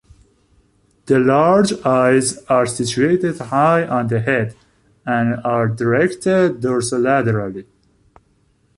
The large eyes are situated high on the head and are directed dorsolaterally.